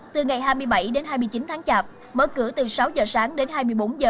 từ ngày hai mươi bảy đến hai mươi chín tháng chạp mở cửa từ sáu giờ sáng đến hai mươi bốn h